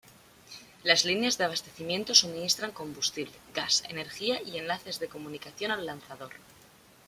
Las líneas de abastecimiento suministran combustible, gas, energía y enlaces de comunicación al lanzador.